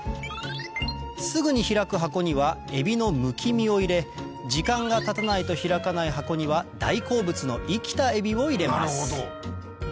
すぐに開く箱にはエビのむき身を入れ時間がたたないと開かない箱には大好物の生きたエビを入れます